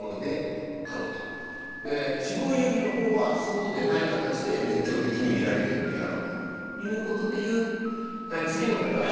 「死亡遊戯」のほうはそうでない形で熱狂的に見られていくであろうということで言うはい次の方。